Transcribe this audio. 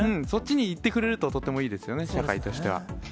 そっちにいってくれると、とってもいいですよね、社会としては。